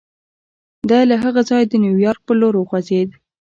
دی له هغه ځایه د نیویارک پر لور وخوځېد